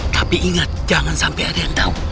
tapi ingat jangan sampai ada yang tahu